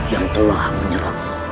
yang telah menyerangmu